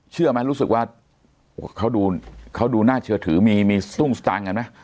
เชื่อไหมรู้สึกว่าเขาดูน่าเชื่อถือมีตุ้งสตางค์กันไหม